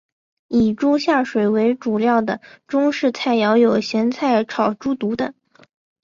以猪下水为主料的中式菜肴有咸菜炒猪肚等。